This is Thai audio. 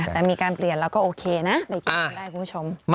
แต่มีการเปลี่ยนแล้วก็โอเคนะ